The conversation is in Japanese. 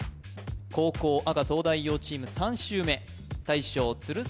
後攻赤東大王チーム３周目大将・鶴崎